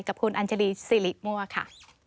กับคุณอัญชรีสิริมั่วค่ะ